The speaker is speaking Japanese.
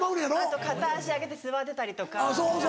あと片足上げて座ってたりとかパンツ見せて。